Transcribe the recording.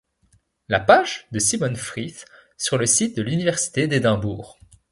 La page de Simon Frith sur le site de l'Université d'Edinburgh.